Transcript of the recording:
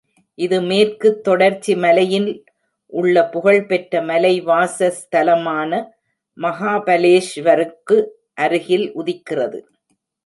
இது மேற்குத் தொடர்ச்சி மலையில் உள்ள புகழ்பெற்ற மலைவாசஸ்தலமான மஹாபலேஷ்வருக்கு அருகில் உதிக்கிறது.